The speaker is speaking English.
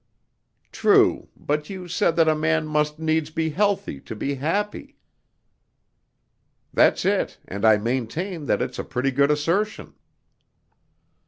"True, but you said that a man must needs be healthy to be happy." "That's it, and I maintain that it's a pretty good assertion."